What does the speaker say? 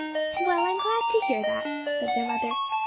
"Well, I'm glad to hear that," said their mother.